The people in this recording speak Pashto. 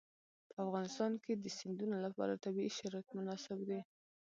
په افغانستان کې د سیندونه لپاره طبیعي شرایط مناسب دي.